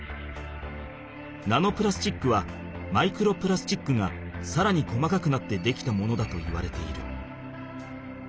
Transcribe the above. ナノプラスチックはマイクロプラスチックがさらに細かくなってできたものだといわれている。